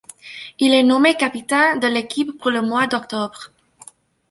Il est nommé capitaine de l'équipe pour le mois d'octobre.